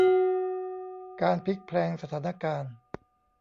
การพลิกแพลงสถานการณ์